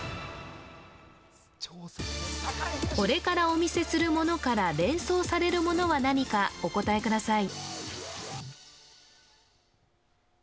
これからお見せするものから連想されるものは何かお答えください。